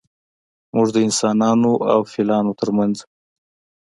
موږ د انسانانو او فیلانو ترمنځ